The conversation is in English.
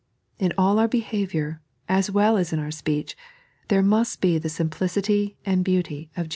In all our behaviour, as well as in our speed), there must be the simplicity and beauty of Jevos.